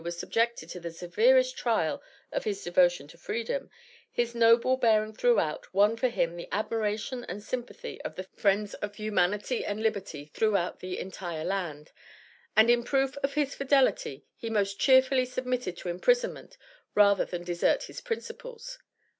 was subjected to the severest trial of his devotion to Freedom, his noble bearing throughout, won for him the admiration and sympathy of the friends of humanity and liberty throughout the entire land, and in proof of his fidelity, he most cheerfully submitted to imprisonment rather than desert his principles.